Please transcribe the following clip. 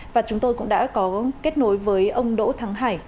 và chúng tôi cũng đã có kết nối với ông đỗ thắng hải